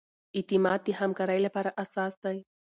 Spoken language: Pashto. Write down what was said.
اعتماد د همکارۍ لپاره اساس دی.